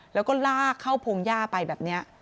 แล้วก็ลากเข้าพงหญ้าไปแบบนี้